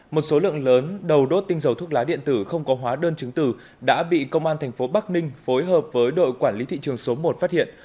một số lượng lớn đầu đốt tinh dầu thuốc lá điện tử không có hóa đơn chứng từ đã bị công an thành phố bắc ninh phối hợp với đội quản lý thị trường số một phát hiện